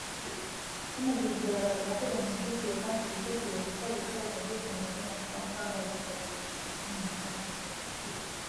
bamaze kugaragaza ko bamushyigikiye kandi biteguye gukora ibishoboka byose ngo Donald Trump uhagarariye Aba-republicain ntatorwe